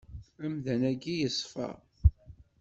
Amdan-agi yeṣfa.